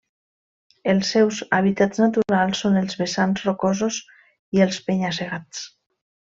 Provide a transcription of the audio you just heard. Els seus hàbitats naturals són els vessants rocosos i els penya-segats.